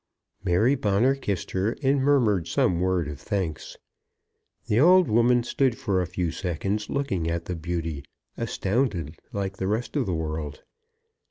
Mary Bonner kissed her, and murmured some word of thanks. The old woman stood for a few seconds, looking at the beauty, astounded like the rest of the world.